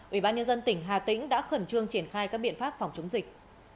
ủy ban nhân dân tỉnh hà tĩnh đã khẩn trương triển khai các biện pháp phòng chống dịch